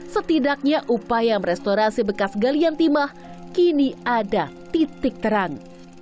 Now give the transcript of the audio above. setidaknya upaya merestorasi bekas galian timah kini ada titik terang